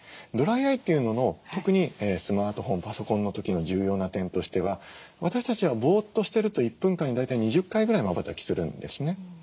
ドライアイというのの特にスマートフォンパソコンの時の重要な点としては私たちはぼっとしてると１分間に大体２０回ぐらいまばたきするんですね。